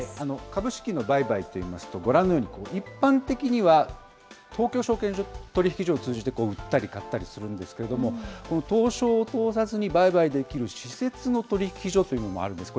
株式の売買といいますと、ご覧のように一般的には、東京証券取引所を通じて売ったり買ったりするんですけれども、この東証を通さずに売買できる私設の取引所というのもあるんです。